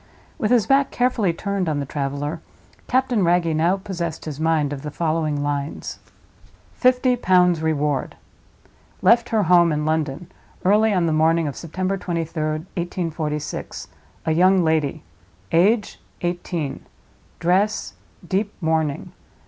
With his back carefully turned on the traveler, Captain Wragge now possessed his mind of the following lines: "FIFTY POUNDS REWARD." "Left her home, in London, early on the morning of September 23d, 1846, A YOUNG LADY. Age—eighteen. Dress—deep mourning.